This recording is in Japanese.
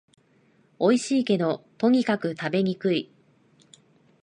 おいしいけど、とにかく食べにくい